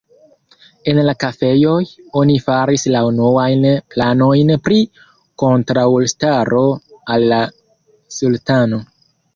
En la kafejoj, oni faris la unuajn planojn pri kontraŭstaro al la sultano.